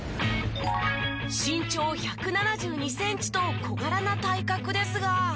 身長１７２センチと小柄な体格ですが。